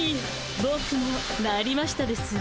ボクもなりましたですぅ。